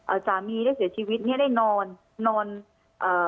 สามีได้เสียชีวิตเนี้ยได้นอนนอนเอ่อ